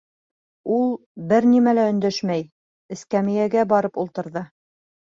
Ә ул, бер нәмә лә өндәшмәй, эскәмйәгә барып ултырҙы.